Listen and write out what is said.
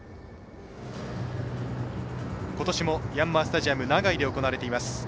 ことしもヤンマースタジアム長居で行われています。